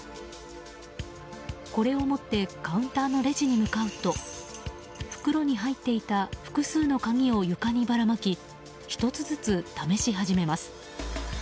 これを持ってカウンターのレジに向かうと袋に入っていた複数の鍵を床にばらまき１つずつ試し始めます。